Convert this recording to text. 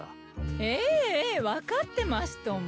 ええええ分かってますとも。